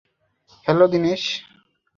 Hello, Dinesh.